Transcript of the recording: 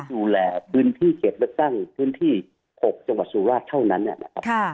ดูแลพื้นที่เข็ดและตั้งพื้นที่๖จังหวัดสุราชธรรมเท่านั้น